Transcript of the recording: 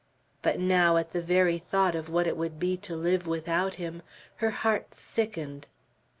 But now, at the very thought of what it would be to live without him, her heart sickened.